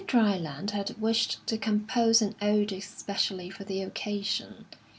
Dryland had wished to compose an ode especially for the occasion.